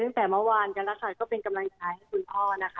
ตั้งแต่เมื่อเมื่อวานก็เป็นกำลังใช้อิตุธรรมคุณพ่อนะคะ